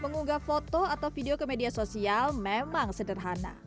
mengunggah foto atau video ke media sosial memang sederhana